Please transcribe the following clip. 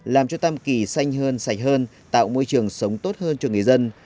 làm cho tam kỳ xanh hơn sạch hơn tạo môi trường sống tốt hơn cho người dân